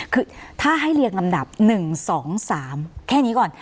คือถ้าให้เรียงลำดับ๑๒๓แค่นี้ก่อน